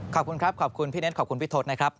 ขอบคุณครับขอบคุณพี่เน็ตขอบคุณพี่ทศนะครับ